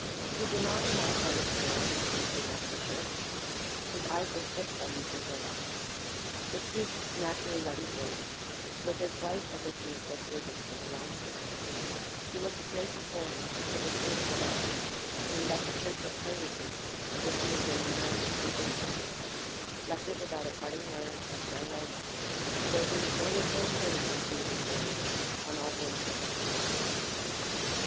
He did not remark by which door the stranger left the church his eyes were fixed on Monsieur Chaubard. The priest's naturally ruddy face was as white as if he had just risen from a long sickness; he looked straight before him, with a stare of terror, and he left the church as hurriedly as if he had been a man escaping from prison; left it without a parting word, or a farewell look, although he was noted for his courtesy to his inferiors on all ordinary occasions.